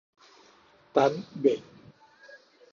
Tan b